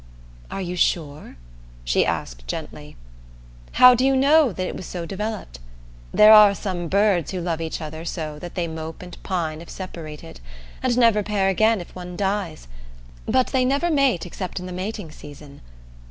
"Are you sure?" she asked gently. "How do you know that it was so developed? There are some birds who love each other so that they mope and pine if separated, and never pair again if one dies, but they never mate except in the mating season.